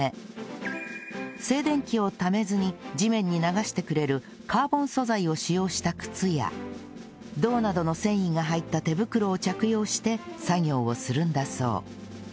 静電気をためずに地面に流してくれるカーボン素材を使用した靴や銅などの繊維が入った手袋を着用して作業をするんだそう